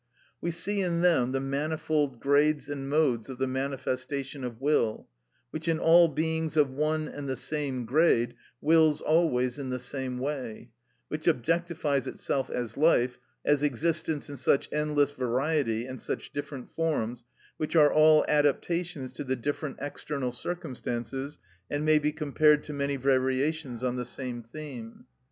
(53) We see in them the manifold grades and modes of the manifestation of will, which in all beings of one and the same grade, wills always in the same way, which objectifies itself as life, as existence in such endless variety, and such different forms, which are all adaptations to the different external circumstances, and may be compared to many variations on the same theme.